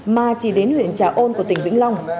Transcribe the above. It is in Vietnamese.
mà chỉ đến huyện trà ôn của tỉnh vĩnh long